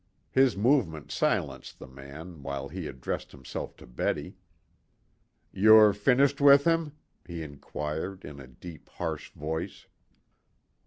His movement silenced the man, while he addressed himself to Betty. "You're finished with him?" he inquired in a deep, harsh voice.